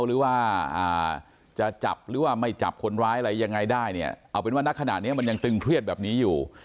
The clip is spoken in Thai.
หรือว่าจะจับหรือว่าไม่จับคนร้ายอะไรยังไงได้เนี่ยเอาเป็นว่าณขณะนี้มันยังตึงเครียดแบบนี้อยู่